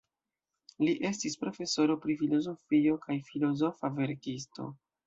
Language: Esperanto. Li estis profesoro pri filozofio kaj filozofa verkisto.